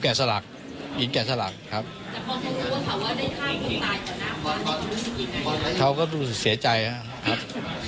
เค้ารักเลยมั้ยคะว่าเค้าเตรียมการ